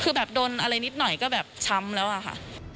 คือแบบโดนอะไรนิดหน่อยก็แบบช้ำแล้วอะค่ะ